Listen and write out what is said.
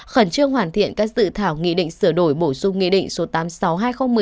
khẩn trương hoàn thiện các dự thảo nghị định sửa đổi bổ sung nghị định số tám mươi sáu hai nghìn một mươi